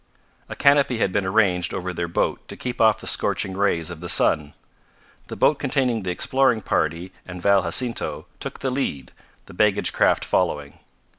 A canopy had been arranged over their boat to keep off the scorching rays of the sun. The boat containing the exploring party and Val Jacinto took the lead, the baggage craft following.